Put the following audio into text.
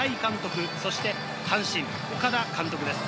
広島・新井監督、そして阪神・岡田監督です。